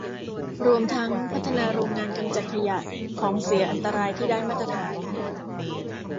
รวมทั้งพัฒนาโรงงานกำจัดขยะ ของเสียอันตรายที่ได้มาตรฐาน